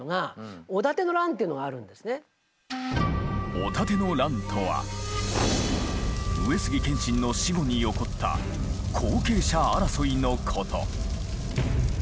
「御館の乱」とは上杉謙信の死後に起こった後継者争いのこと。